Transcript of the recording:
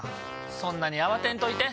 そんなに慌てんといて。